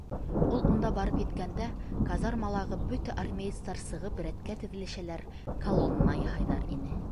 Ул унда барып еткәндә, казармалағы бөтә армеецтар сығып рәткә теҙелешәләр, колонна яһайҙар ине.